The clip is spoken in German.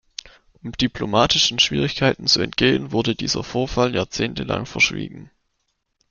Um diplomatischen Schwierigkeiten zu entgehen wurde dieser Vorfall jahrzehntelang verschwiegen.